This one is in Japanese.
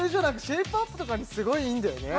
シェイプアップとかにすごいいいんだよね？